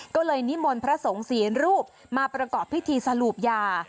ก็เลยนิมนต์พระสงฆ์สี่รูปมาประกอบพิธีสรุปยา